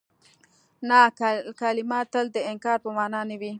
نه کلمه تل د انکار په مانا نه وي.